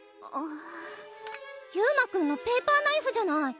裕真君のペーパーナイフじゃない。